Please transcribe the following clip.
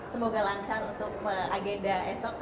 semoga lancar untuk agenda esok